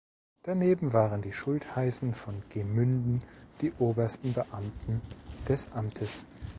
Daneben waren die Schultheißen von Gemünden die obersten Beamten des Amtes.